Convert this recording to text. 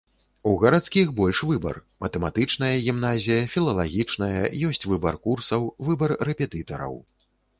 У гарадскіх больш выбар, матэматычная гімназія, філалагічная, ёсць выбар курсаў, выбар рэпетытараў.